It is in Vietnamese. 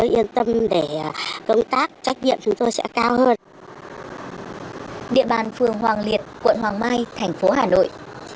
địa bàn phường hoàng liệt quận hoàng mai thành phố hà nội